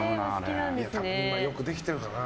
今、よくできてるからな。